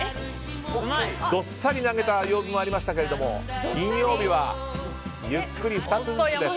どっさり投げた曜日もありましたが金曜日はゆっくり２つずつです。